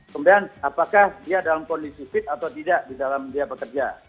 kemudian apakah dia dalam kondisi fit atau tidak di dalam dia bekerja